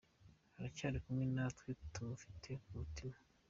Aracyari kumwe natwe, tumufite ku mutima.